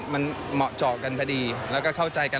มันเหมาะเจาะกันพอดีแล้วก็เข้าใจกัน